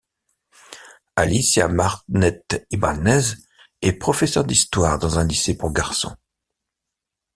Alicia Marnet Ibáñez est professeur d'histoire dans un lycée pour garçons.